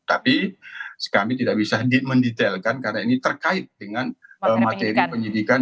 tapi kami tidak bisa mendetailkan karena ini terkait dengan materi penyidikan